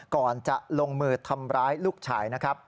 ก่อนจะลงมืดทำร้ายลูกฉาย